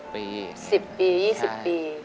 ๑๐ปี๒๐ปี